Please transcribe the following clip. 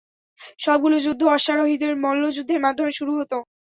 সবগুলো যুদ্ধ অশ্বারোহীদের মল্লযুদ্ধের মাধ্যমে শুরু হত।